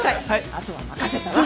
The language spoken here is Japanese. あとは任せたわ。